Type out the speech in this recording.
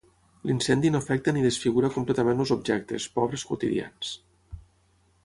L'incendi no afecta ni desfigura completament els objectes, pobres, quotidians.